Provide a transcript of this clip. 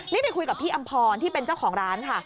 นี่ไปคุยกับพี่อำพรที่เป็นเจ้าของร้านค่ะ